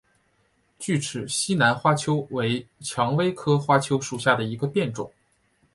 巨齿西南花楸为蔷薇科花楸属下的一个变种。